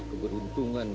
aku berada di atas tahta